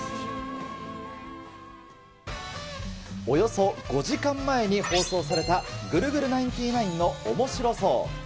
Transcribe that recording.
およそ５時間前に放送された、ぐるぐるナインティナインのおもしろ荘。